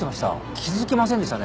気付きませんでしたね。